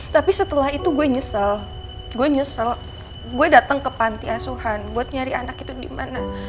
tapi setelah itu gue nyesel gue nyesel gue datang ke panti asuhan buat nyari anak itu dimana